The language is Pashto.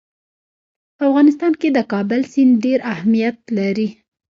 په افغانستان کې د کابل سیند ډېر اهمیت لري.